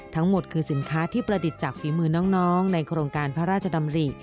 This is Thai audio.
ทั้งหมดคือสินค้าที่ประดิษฐ์จากฝีมือน้องในโครงการพระราชดำริ